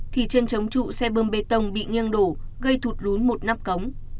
thì trên trống trụ xe bơm bê tông bị nghiêng đổ gây thụt lún một nắp cống